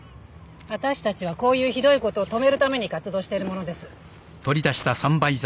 わたしたちはこういうひどいことを止めるために活動している者です。